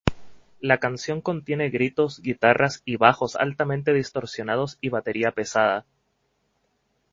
La canción contiene gritos, guitarras y bajos altamente distorsionados y batería pesada.